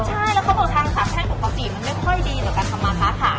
ใช่แล้วข้างบนทางสาวแท่งปกติไม่ค่อยดีในการทำมาภาษา